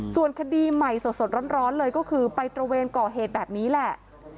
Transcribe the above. ส่วนคดีใหม่สดร้อนเลยก็คือไปตระเวนก่อเหตุแบบนี้แหละ